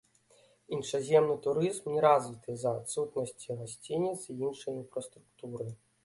Іншаземны турызм не развіты з-за адсутнасці гасцініц і іншай інфраструктуры.